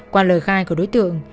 qua lời khai của đối tượng